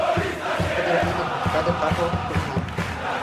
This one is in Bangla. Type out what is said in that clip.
একই রান্নাঘর তাদের, পাশাপাশি উনান।